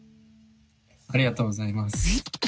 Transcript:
ありがとうございます。